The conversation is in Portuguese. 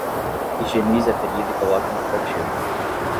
Higienize a ferida e coloque um curativo